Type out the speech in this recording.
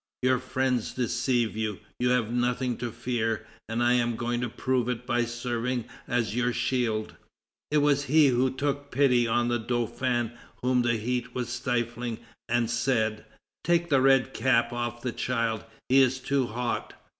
Your friends deceive you; you have nothing to fear, and I am going to prove it by serving as your shield." It was he who took pity on the Dauphin whom the heat was stifling, and said: "Take the red cap off the child; he is too hot."